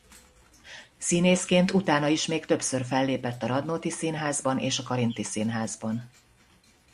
Színészként utána is még többször fellépett a Radnóti Színházban és a Karinthy Színházban.